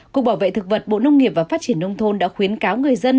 cục bảo vệ thực vật bộ nông nghiệp và phát triển nông thôn đã khuyến cáo người dân